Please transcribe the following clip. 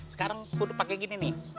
sekarang udah pakai gini nih